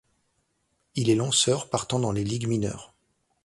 Il est lanceur partant dans les ligues mineures.